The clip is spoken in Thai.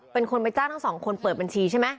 เป็นคนไปจ้างทั้งสองคนเปิดบัญชีใช่ไหม